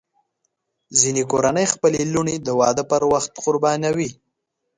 ځینې کورنۍ خپلې لوڼې د واده پر وخت قربانوي.